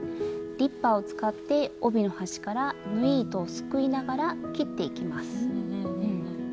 リッパーを使って帯の端から縫い糸をすくいながら切っていきます。